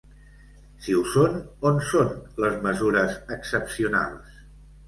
Si ho són, on són les mesures excepcionals?